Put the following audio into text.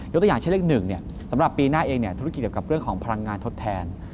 ตัวอย่างเช่นเลข๑สำหรับปีหน้าเองธุรกิจเกี่ยวกับเรื่องของพลังงานทดแทน